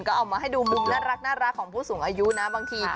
ก็เอามาให้ดูมุมน่ารักของผู้สูงอายุนะบางที